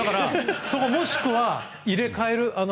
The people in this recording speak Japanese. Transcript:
そこをもしくは入れ替える。